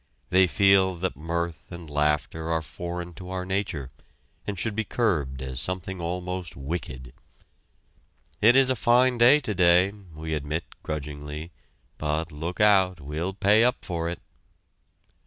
They feel that mirth and laughter are foreign to our nature, and should be curbed as something almost wicked. "It's a fine day, today!" we admit grudgingly, "but, look out! We'll pay up for it!"